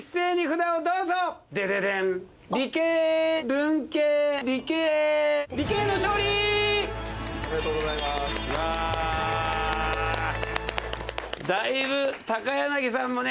だいぶ高柳さんもね